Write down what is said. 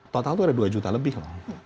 total itu ada dua juta lebih lah